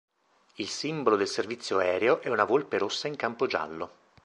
Il simbolo del Servizio aereo è una volpe rossa in campo giallo.